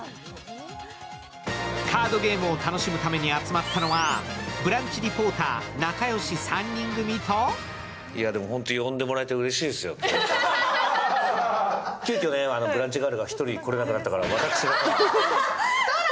カードゲームを楽しむために集まったのはブランチリポーター仲良し３人組と急きょブランチガールが１人来れなくなったから。